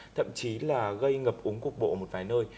thậm chí là gây ngập úng cục bộ một vài nơi